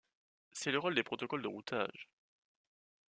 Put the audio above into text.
C'est le rôle des protocoles de routage.